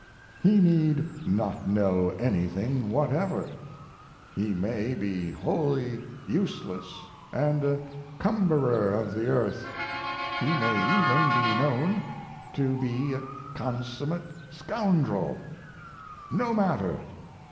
He need not know anything whatever; he may be wholly useless and a cumberer of the earth; he may even be known to be a consummate scoundrel. No matter.